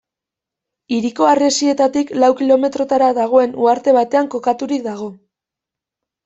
Hiriko harresietatik lau kilometrotara dagoen uharte batean kokaturik dago.